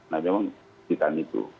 nah memang kita gitu